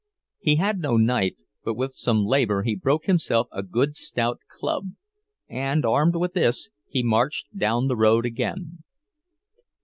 He had no knife, but with some labor he broke himself a good stout club, and, armed with this, he marched down the road again.